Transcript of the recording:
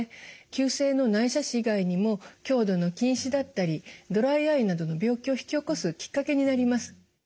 急性の内斜視以外にも強度の近視だったりドライアイなどの病気を引き起こすきっかけになります。